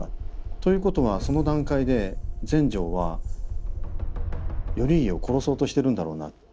ということはその段階で全成は頼家を殺そうとしてるんだろうな。